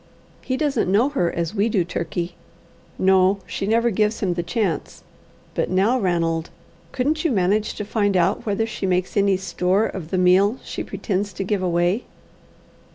"He doesn't know her as we do, Turkey." "No. She never gives him the chance. But now, Ranald, couldn't you manage to find out whether she makes any store of the meal she pretends to give away?"